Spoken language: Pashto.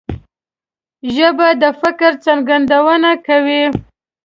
ژبه د فکر څرګندونه کوي